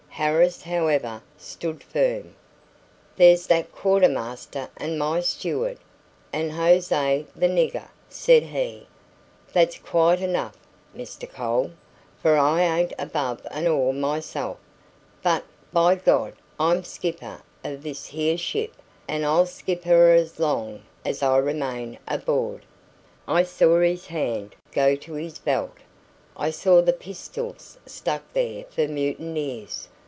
Harris, however, stood firm. "There's that quartermaster and my steward, and José the nigger," said he. "That's quite enough, Mr. Cole, for I ain't above an oar myself; but, by God, I'm skipper o' this here ship, and I'll skip her as long as I remain aboard!" I saw his hand go to his belt; I saw the pistols stuck there for mutineers.